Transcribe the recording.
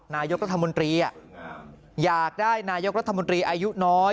นายกรัฐมนตรีอยากได้นายกรัฐมนตรีอายุน้อย